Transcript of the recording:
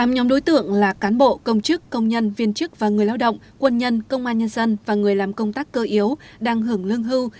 tám nhóm đối tượng là cán bộ công chức công nhân viên chức và người lao động quân nhân công an nhân dân và người làm công tác cơ yếu đang hưởng lương hưu